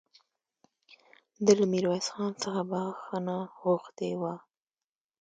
ده له ميرويس خان څخه بخښنه غوښتې وه